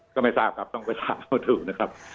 ก็ไม่ทราบครับต้องไปถามเขาถูกนะครับ